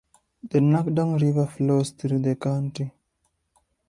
The Nakdong River flows through the county.